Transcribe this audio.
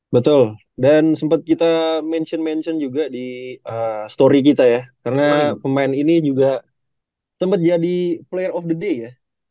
betul dan sempat kita mention mention juga di story kita ya karena pemain ini juga sempat jadi player of the day ya